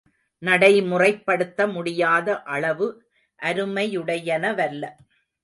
நடைமுறைப்படுத்த முடியாத அளவு அருமையுடையனவல்ல.